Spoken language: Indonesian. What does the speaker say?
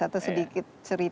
atau sedikit cerita